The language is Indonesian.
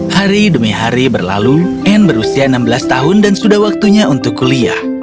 hari demi hari berlalu anne berusia enam belas tahun dan sudah waktunya untuk kuliah